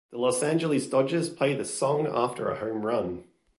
The Los Angeles Dodgers play the song after a home run.